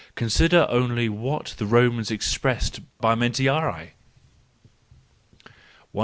Consider only what the Romans expressed by mentiri! 158.